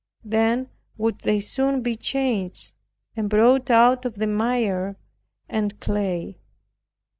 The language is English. Then would they soon be changed, and brought out of the mire and clay.